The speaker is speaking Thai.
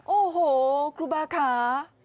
โอ้โหคุณบาขา